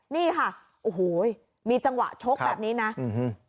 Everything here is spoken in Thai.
นี่ค่ะโอ้โหมีจังหวะชกแบบนี้นะอืม